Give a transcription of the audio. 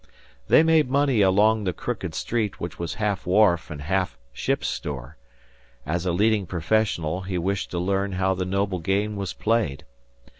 They made money along the crooked street which was half wharf and half ship's store: as a leading professional he wished to learn how the noble game was played.